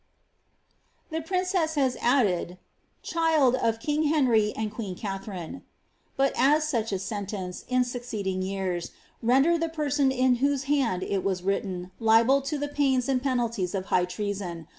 The princess hna added, "child of king Henry and qneeu KathM nne ;" bul as such a seulence, in Buccpeding years, rendered the pew III whose hand ii was wrillen liable to the pains and penallies of hi|j iresion.